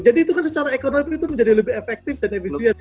jadi itu kan secara ekonomi itu menjadi lebih efektif dan efisien